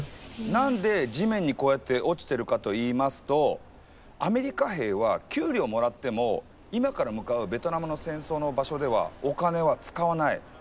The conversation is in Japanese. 何で地面にこうやって落ちてるかといいますとアメリカ兵は給料もらっても今から向かうベトナムの戦争の場所ではお金は使わない。